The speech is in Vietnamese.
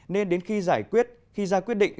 nên đến khi giải quyết khi ra quyết định